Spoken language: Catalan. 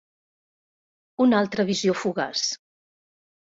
Una altra visió fugaç.